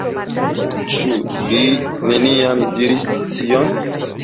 Ĉu li neniam diris tion?